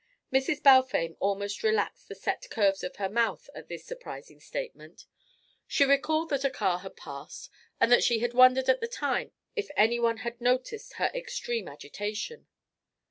Mrs. Balfame almost relaxed the set curves of her mouth at this surprising statement. She recalled that a car had passed and that she had wondered at the time if any one had noticed her extreme agitation.